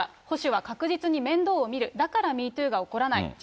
保守は確実に面倒を見る、だから♯ＭｅＴｏｏが起こらない。